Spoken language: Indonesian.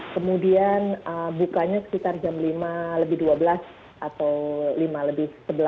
kemudian bukanya sekitar jam lima lebih dua belas atau lima lebih sebelas